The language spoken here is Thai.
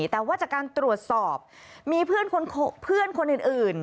แต่ว่าจากการตรวจสอบมีเพื่อนคนอื่น